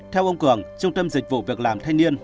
theo ông cường trung tâm dịch vụ việc làm thanh niên